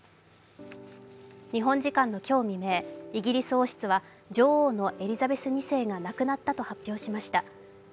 日本時間の今日未明、イギリス王室は女王のエリザベス２世が亡くなったと発表しました。